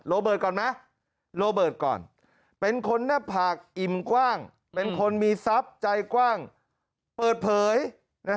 โบเบิร์ตก่อนไหมโรเบิร์ตก่อนเป็นคนหน้าผากอิ่มกว้างเป็นคนมีทรัพย์ใจกว้างเปิดเผย